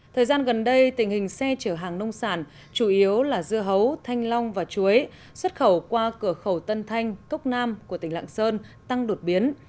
thời gian gần đây tình hình xe chở hàng nông sản chủ yếu là dưa hấu thanh long và chuối xuất khẩu qua cửa khẩu tân thanh cốc nam của tỉnh lạng sơn tăng đột biến